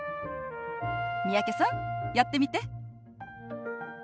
三宅さんやってみて。